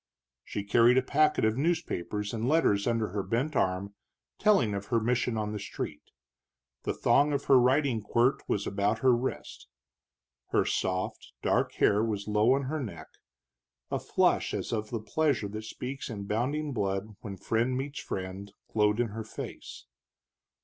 She carried a packet of newspapers and letters under her bent arm, telling of her mission on the street; the thong of her riding quirt was about her wrist. Her soft dark hair was low on her neck, a flush as of the pleasure that speaks in bounding blood when friend meets friend glowed in her face.